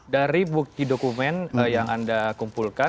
dari bukti dokumen yang anda kumpulkan